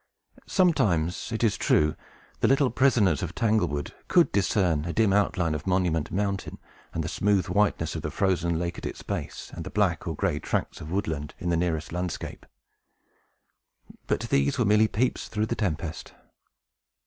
Sometimes, it is true, the little prisoners of Tanglewood could discern a dim outline of Monument Mountain, and the smooth whiteness of the frozen lake at its base, and the black or gray tracts of woodland in the nearer landscape. But these were merely peeps through the tempest.